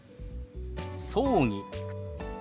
「葬儀」。